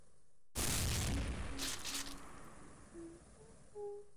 大多数支持参数多态的面向对象语言可以把参数限定为给定类型的子类型。